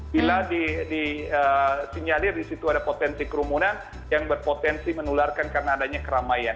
bila disinyalir di situ ada potensi kerumunan yang berpotensi menularkan karena adanya keramaian